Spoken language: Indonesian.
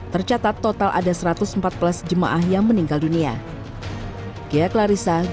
tercatat total ada satu ratus empat belas jemaah yang meninggal dunia